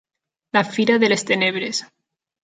"La fira de les tenebres"